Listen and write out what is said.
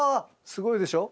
すごいでしょ？